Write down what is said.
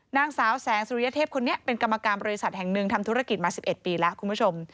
นางสาวแสงสุริยเทพคนนี้เป็นกรรมการบริษัทแห่งหนึ่งทำธุรกิจมา๑๑ปีแล้วคุณผู้ชม